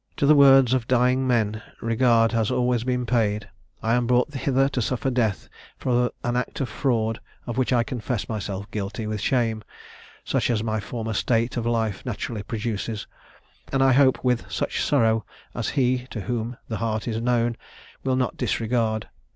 "To the words of dying men regard has always been paid. I am brought hither to suffer death for an act of fraud, of which I confess myself guilty with shame, such as my former state of life naturally produces, and I hope with such sorrow as He, to whom the heart is known, will not disregard.